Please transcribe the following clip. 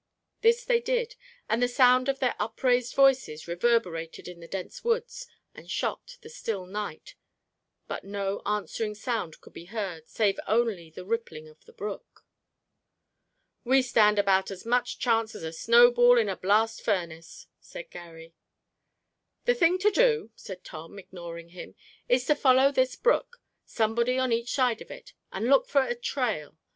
This they did and the sound of their upraised voices reverberated in the dense woods and shocked the still night, but no answering sound could be heard save only the rippling of the brook. "We stand about as much chance as a snowball in a blast furnace," said Garry. "The thing to do," said Tom, ignoring him, "is to follow this brook, somebody on each side, and look for a trail.